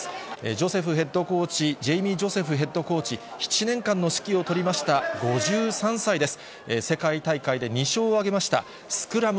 ジョセフヘッドコーチ、ジェイミー・ジョセフヘッドコーチ、７年間の指揮を執りました、５３歳です。